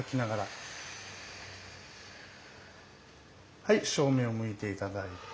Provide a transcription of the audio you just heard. はい正面を向いて頂いて。